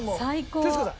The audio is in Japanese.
徹子さん